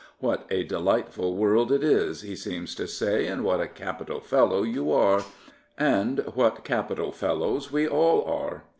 What a delightful world it is, he seems to say, and what a capital fellow you are, and what capital fellows we all are!